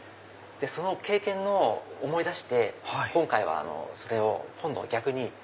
その経験を思い出して今回はそれを逆に。